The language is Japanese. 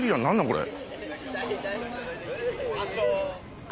これ。